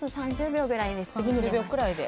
３０秒くらいで。